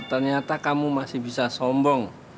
ternyata kamu masih bisa sombong